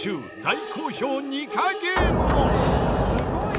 大好評ニカゲームも。